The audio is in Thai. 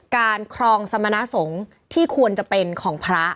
ครองสมณสงฆ์ที่ควรจะเป็นของพระ